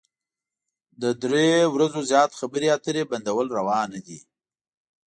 له درې ورځو زيات خبرې اترې بندول روا نه ده.